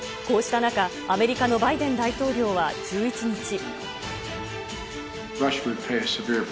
こうした中、アメリカのバイデン大統領は１１日。